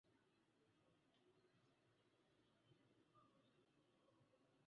binadamu akiwakomboa kutoka mamlaka ya shetani